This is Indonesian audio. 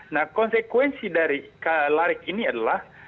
nah konsekuensi dari larik ini adalah